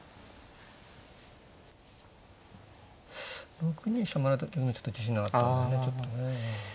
６二飛車回られた手がちょっと自信なかったんだよねちょっとね。